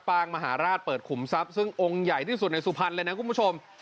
งมหาราชเปิดขุมทรัพย์ซึ่งองค์ใหญ่ที่สุดในสุพรรณเลยนะคุณผู้ชม